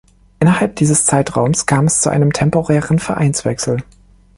Innerhalb dieses Zeitraums kam es zu einem temporären Vereinswechsel.